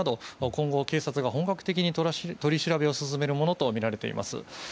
今後、警察が本格的に取り調べを進めるものとみられています。